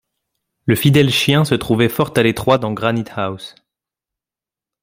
Le fidèle chien se trouvait fort à l’étroit dans Granite-house.